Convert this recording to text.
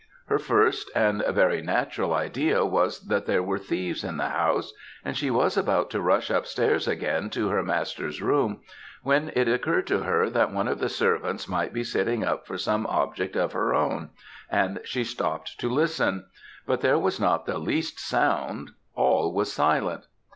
Her first and very natural idea was that there were thieves in the house; and she was about to rush upstairs again to her master's room, when it occurred to her that one of the servants might be sitting up for some object of her own, and she stopt to listen, but there was not the least sound all was silent.